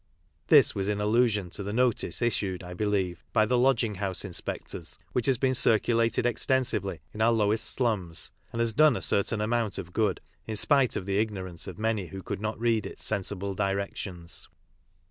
This was in allusion to the notice issued, I believe, by the lodging house inspectors, which has been circulated extensively in our lowest slums, and has done a certain amount of good, in spite of the ignorance of many who could not read its sensible directions.